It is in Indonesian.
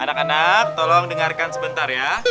anak anak tolong dengarkan sebentar ya